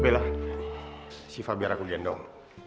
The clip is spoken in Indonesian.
bella siva biar aku liat dong